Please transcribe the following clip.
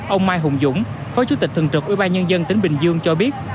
ông mai hùng dũng phó chủ tịch thường trực ubnd tỉnh bình dương cho biết